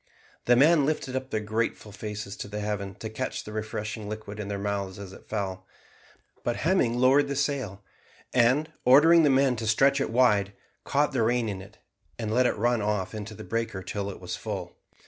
The men lifted up their grateful faces to heaven to catch the refreshing liquid in their mouths as it fell, but Hemming lowered the sail, and, ordering the men to stretch it wide, caught the rain in it, and let it run off into the breaker till that was full.